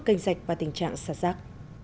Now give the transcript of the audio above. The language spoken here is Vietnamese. canh giạch và tình trạng xa rác